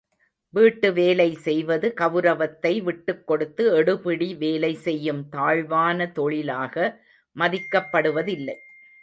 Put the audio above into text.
வீட்டு வேலை செய்வது கவுரவத்தை விட்டுக்கொடுத்து எடுபிடி வேலை செய்யும் தாழ்வான தொழிலாக மதிக்கப் படுவதில்லை.